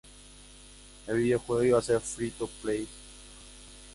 El videojuego iba ser Free to play.